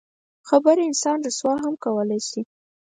خبره انسان رسوا هم کولی شي.